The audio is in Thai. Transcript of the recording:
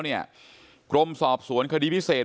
เนี่ยกรมสอบสวนคดีพิเศษ